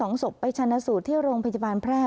ศพไปชนะสูตรที่โรงพยาบาลแพร่